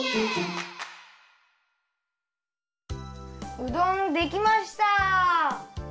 うどんできました！